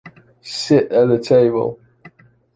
Sit at the table.